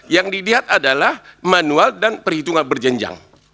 yang dilihat adalah manual dan perhitungan berjenjang